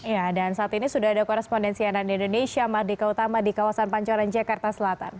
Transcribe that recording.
ya dan saat ini sudah ada korespondensi ann indonesia mardika utama di kawasan pancoran jakarta selatan